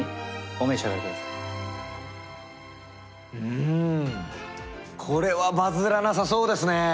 うんこれはバズらなさそうですねぇ。